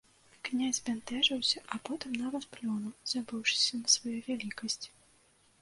Князь збянтэжыўся, а потым нават плюнуў, забыўшыся на сваю вялікасць.